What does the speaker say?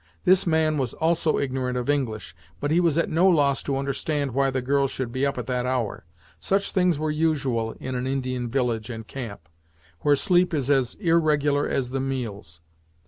This man was also ignorant of English, but he was at no loss to understand why the girl should be up at that hour. Such things were usual in an Indian village and camp, where sleep is as irregular as the meals.